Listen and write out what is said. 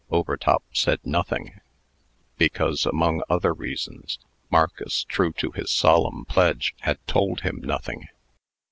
Overtop said nothing; because, among other reasons, Marcus, true to his solemn pledge, had told him nothing.